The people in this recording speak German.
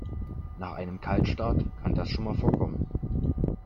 Nach einem Kaltstart kann das schon mal vorkommen.